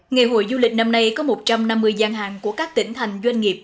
ngày hội du lịch năm nay có một trăm năm mươi gian hàng của các tỉnh thành doanh nghiệp